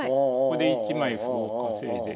ここで１枚歩を稼いで。